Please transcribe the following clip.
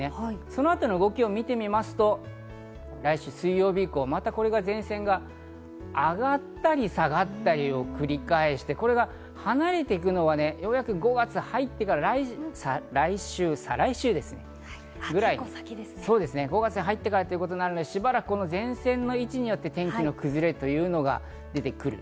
そのあとの動きを見てみますと、来週水曜日以降、また前線が上がったり下がったりを繰り返して、これが離れていくのが５月入ってから、来週、再来週ぐらいですね、５月に入ってからということなので、しばらく前線の位置によって天気の崩れというのがある。